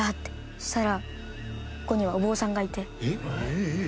そしたらそこにはお坊さんがいて。